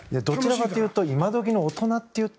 どちらかというと今どきの大人。